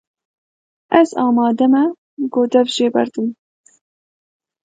Ez amade me ku dev jê berdim.